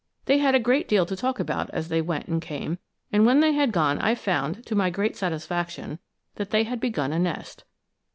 They had a great deal to talk about as they went and came, and when they had gone I found, to my great satisfaction, that they had begun a nest.